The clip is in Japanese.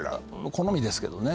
好みですけどね